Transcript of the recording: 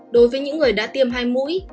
đối với những người đã tiêm hai mũi